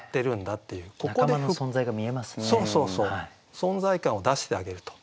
存在感を出してあげると。